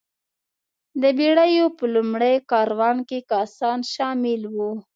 د بېړیو په لومړي کاروان کې کسان شامل وو.